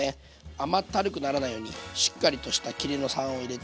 甘ったるくならないようにしっかりとしたキレの酸を入れて。